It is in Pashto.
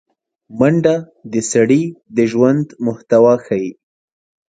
منډه د سړي د ژوند محتوا ښيي